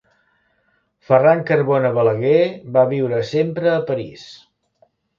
Ferran Carbona Balaguer va viure sempre a París.